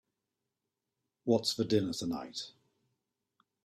What's for dinner tonight?